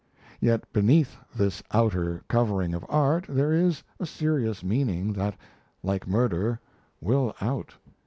Yet beneath this outer covering of art there is a serious meaning that, like murder, will out.